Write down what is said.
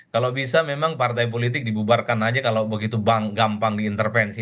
kalau bisa memang partai politik dibubarkan aja kalau begitu bank gampang diintervensi